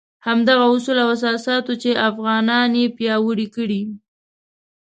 همدغه اصول او اساسات وو چې افغانان یې پیاوړي کړي.